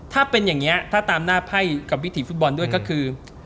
ถ้าเป็นอย่างนี้ถ้าตามหน้าไพ่กับวิถีฟุตบอลด้วยก็คือ